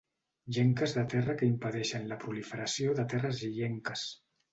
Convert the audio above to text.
Llenques de terra que impedeixen la proliferació de terres illenques.